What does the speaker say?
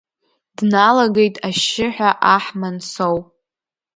Дналагеиг ашьшьыҳәа аҳ Мансоу.